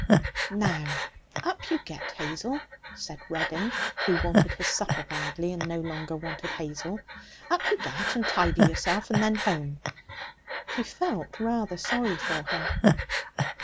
'Now, up you get, Hazel!' said Reddin, who wanted his supper badly, and no longer wanted Hazel. 'Up you get and tidy yourself, and then home.' He felt rather sorry for her.